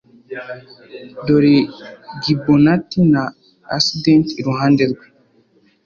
Dore Gui Bonatti na Asdent iruhande rwe